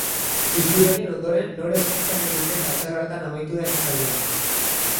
Txistularien ondoren, lore eskaintza egin dute eta txalo artean amaitu da ekitaldia.